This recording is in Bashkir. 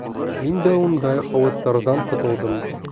Мин дә ундай һауыттарҙан ҡотолдом.